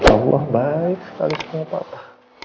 allah baik sekali semua papa